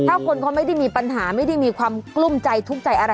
ถ้าคนเขาไม่ได้มีปัญหาไม่ได้มีความกลุ้มใจทุกข์ใจอะไร